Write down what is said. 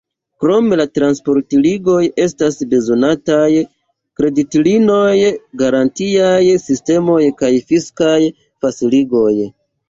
Krom la transportligoj estas bezonataj kreditlinioj, garantiaj sistemoj kaj fiskaj faciligoj.